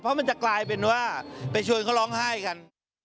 เพราะมันจะกลายเป็นว่าไปชวนเขาร้องไห้กัน